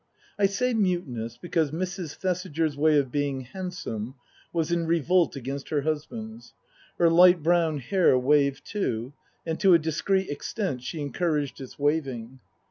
I say mutinous, because Mrs. Thesiger's way of being handsome was in revolt against her husband's. Her light brown hair waved, too, and to a discreet extent she encouraged its waving.